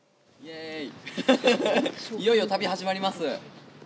いよいよ、旅始まります。